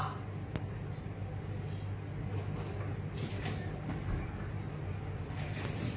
ออกเพื่อแม่นักกับข้าว